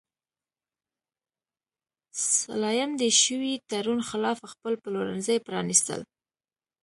سلایم د شوي تړون خلاف خپل پلورنځي پرانیستل.